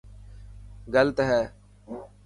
گلت هي.